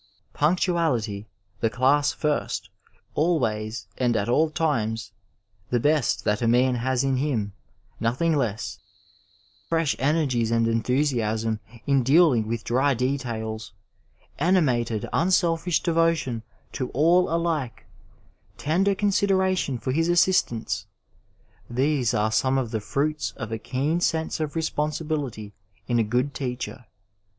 Punctuality, the ckss first, always and at all times ; the best that a man has in him, nothing less ; the best the profession has on the subject, nothing less ; fresh energies and enthusiasm in dealing with dry details; animated, unselfish devotion to all alike ; tender consideration for his assistants — ^these are some of the fruits of a keen sense of responsibility in a good teacher.